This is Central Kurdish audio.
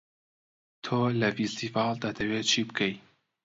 تۆ لە فێستیڤاڵ دەتەوێ چ بکەی؟